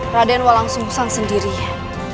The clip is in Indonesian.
radenwa langsung usang sendirinya